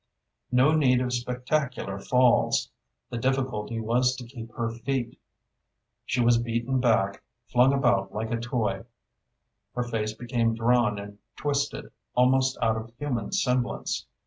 No need of spectacular "falls." The difficulty was to keep her feet. She was beaten back, flung about like a toy. Her face became drawn and twisted, almost out of human semblance.